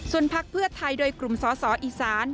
ส่วนพักเพื่อไทยโดยกลุ่มสอสออีสาน